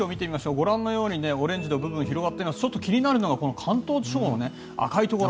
ご覧のようにオレンジの部分が広がっていますが気になるのはこの関東地方の赤いところ。